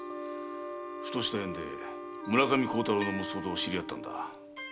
ふとした縁で村上幸太郎の息子と知り合った。